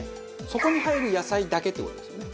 そこに入る野菜だけって事ですよね？